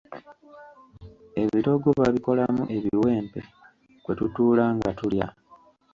Ebitoogo babikolamu ebiwempe kwe tutuula nga tulya.